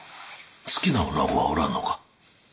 好きな女子はおらぬのか？